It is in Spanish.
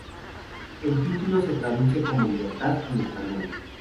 El título se traduce como "Libertad" en español.